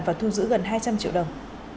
và thu giữ gần hai trăm linh triệu đồng